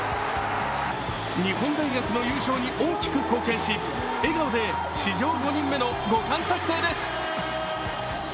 日本大学の優勝に大きく貢献し笑顔で史上５人目の５冠達成です。